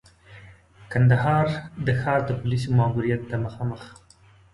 کندهار د ښار د پولیسو ماموریت ته مخامخ.